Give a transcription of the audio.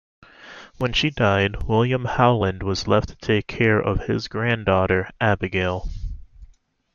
When she died, William Howland was left to take care of his granddaughter Abigail.